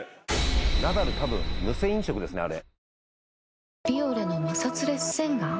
ナダルたぶん無銭飲食ですねあれ。